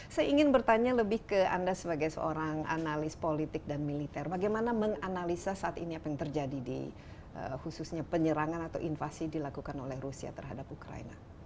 saya ingin bertanya lebih ke anda sebagai seorang analis politik dan militer bagaimana menganalisa saat ini apa yang terjadi di khususnya penyerangan atau invasi dilakukan oleh rusia terhadap ukraina